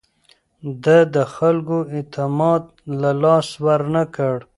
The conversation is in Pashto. ده د خلکو اعتماد له لاسه ورنه کړ.